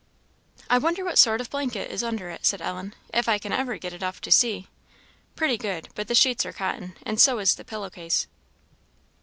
"I wonder what sort of a blanket is under it," said Ellen, "if I can ever get it off to see! Pretty good; but the sheets are cotton, and so is the pillow case!"